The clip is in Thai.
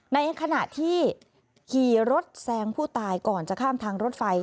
ในขณะที่ขี่รถแซงผู้ตายก่อนจะข้ามทางรถไฟ